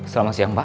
selamat siang pak